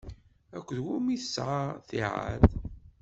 Akked wumi i tesɛa ttiɛad?